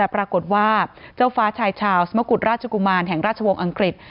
ปรากฏว่าเจ้าฟ้าชายชาวสมกุฎราชกุมารแห่งราชวงศ์อังกฤษ